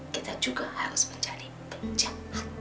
kita juga harus menjadi penjahat